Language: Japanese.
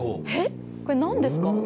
これ何ですか？